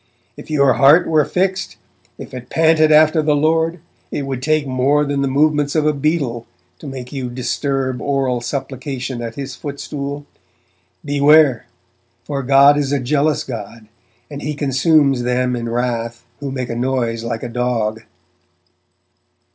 'If your heart were fixed, if it panted after the Lord, it would take more than the movements of a beetle to make you disturb oral supplication at His footstool. Beware! for God is a jealous God and He consumes them in wrath who make a noise like a dog.'